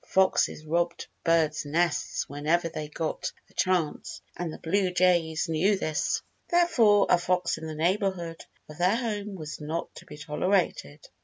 Foxes robbed birds' nests whenever they got a chance, and the blue jays knew this. Therefore, a fox in the neighborhood of their home was not to be tolerated.